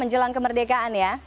hari kemerdekaan ya